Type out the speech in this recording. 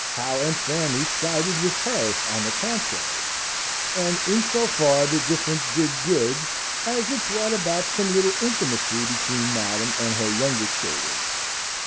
Hal and Fanny sided with her, on the contrary; and in so far the difference did good, as it brought about some little intimacy between Madam and her younger children.